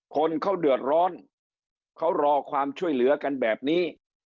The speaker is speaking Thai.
คนเขาเดือดร้อนเขารอความช่วยเหลือกันแบบนี้